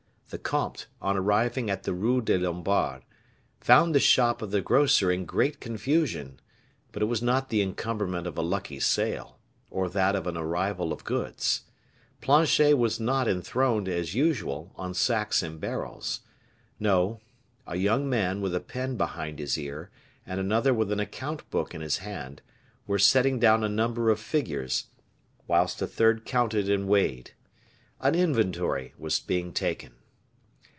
The comte, on arriving at the Rue des Lombards, found the shop of the grocer in great confusion; but it was not the encumberment of a lucky sale, or that of an arrival of goods. Planchet was not enthroned, as usual, on sacks and barrels. No. A young man with a pen behind his ear, and another with an account book in his hand, were setting down a number of figures, whilst a third counted and weighed. An inventory was being taken.